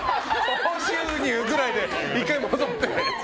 高収入くらいで１回戻って。